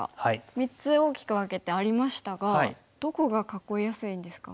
３つ大きく分けてありましたがどこが囲いやすいんですか一番。